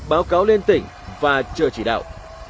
báo cáo lên tỉnh và chờ chỉ đạo